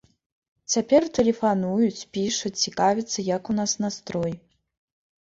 Цяпер тэлефануюць, пішуць, цікавяцца, як у нас настроі.